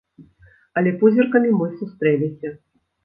Але позіркамі мы сустрэліся.